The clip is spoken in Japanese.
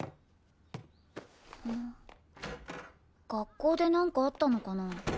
学校でなんかあったのかな？